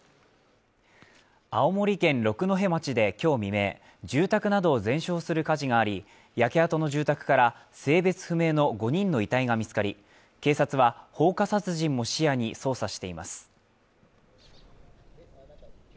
青森県六戸町で今日未明、住宅などを全焼する火事があり焼け跡の住宅から性別不明の５人の遺体が見つかり、警察は放火殺人も視野に捜査しています。